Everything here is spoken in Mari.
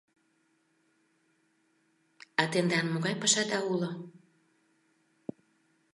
— А тендан могай пашада уло?